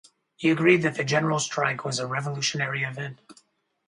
He agreed that the general strike was a revolutionary event.